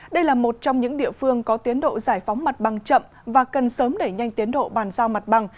đây là một trong những địa phương có tiến độ giải phóng mặt bằng chậm và cần sớm đẩy nhanh tiến độ bàn giao mặt bằng